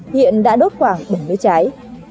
hiện đã đốt khoảng bảy mươi trái